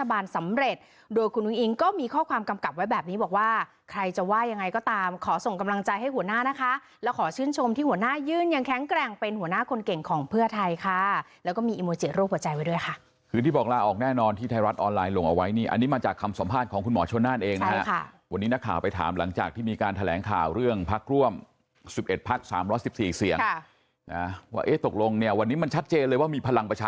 ทบาลสำเร็จโดยคุณอุ้งอิงก็มีข้อความกำกลับไว้แบบนี้บอกว่าใครจะว่ายังไงก็ตามขอส่งกำลังใจให้หัวหน้านะคะแล้วขอชื่นชมที่หัวหน้ายื่นยังแข็งแกร่งเป็นหัวหน้าคนเก่งของเพื่อไทยค่ะแล้วก็มีอิโมเจอร์โลกหัวใจไว้ด้วยค่ะคือที่บอกล่าออกแน่นอนที่ไทยรัฐออนไลน์ลงเอาไว้นี่